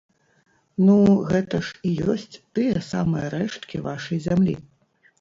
Ну, гэта ж і ёсць тыя самыя рэшткі вашай зямлі.